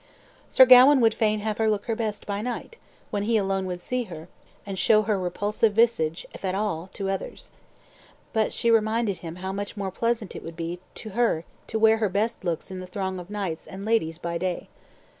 Sir Gawain would fain have had her look her best by night, when he alone would see her, and show her repulsive visage, if at all, to others. But she reminded him how much more pleasant it would be to her to wear her best looks in the throng of knights and ladies by day.